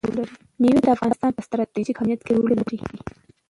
مېوې د افغانستان په ستراتیژیک اهمیت کې رول لري.